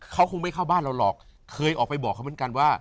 เขาคงไม่เข้าบ้านเราหรอกเคยออกไปบอกเขาเหมือนกันว่า